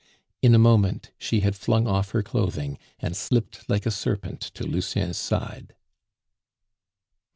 In a moment she had flung off her clothing and slipped like a serpent to Lucien's side.